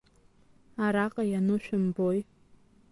Араҟа иану шәымбои?